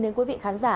đến quý vị khán giả